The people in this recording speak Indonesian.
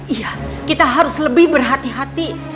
iya kita harus lebih berhati hati